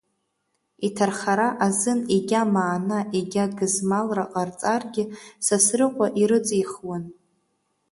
Иҭархара азын егьа маана, егьа гызмалра ҟарҵаргьы Сасрыҟәа ирыҵихуан.